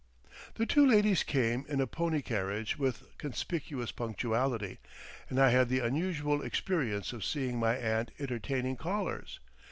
The two ladies came in a pony carriage with conspicuous punctuality, and I had the unusual experience of seeing my aunt entertaining callers.